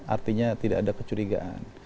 artinya tidak ada kecurigaan